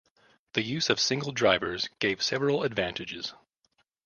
The use of single drivers gave several advantages.